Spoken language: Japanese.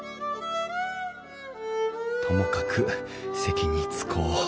ともかく席に着こう。